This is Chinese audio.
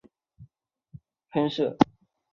水流好比太阳风不断向外喷射。